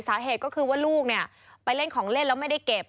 สาเหตุก็คือว่าลูกเนี่ยไปเล่นของเล่นแล้วไม่ได้เก็บ